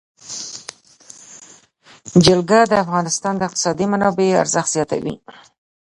جلګه د افغانستان د اقتصادي منابعو ارزښت زیاتوي.